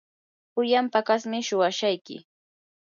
pullan paqasmi suwashayki.